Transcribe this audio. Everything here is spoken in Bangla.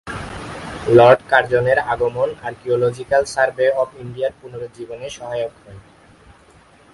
লর্ড কার্জনের আগমন আর্কিওলজিক্যাল সার্ভে অব ইন্ডিয়ার পুনরুজ্জীবনে সহায়ক হয়।